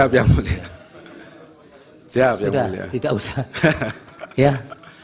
jawab siap siap ya daya tidak usah